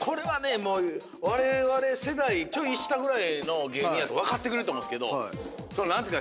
われわれ世代ちょい下ぐらいの芸人やと分かってくれると思うんですけど何ていうか。